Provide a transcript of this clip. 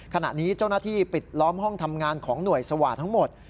ขณะนี้เจ้าหน้าที่ปิดล้อมห้องทำงานของหน่วยสวาสทั้งหมด